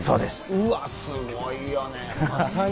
うわ、すごいよね。